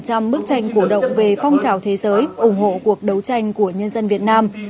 hơn một trăm linh bức tranh cổ động về phong trào thế giới ủng hộ cuộc đấu tranh của nhân dân việt nam